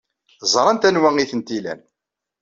Ẓrant anwa ay tent-ilan.